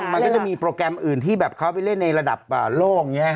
ถูกต้องมันก็จะมีโปรแกรมอื่นที่แบบเขาไปเล่นในระดับโล่งไงครับ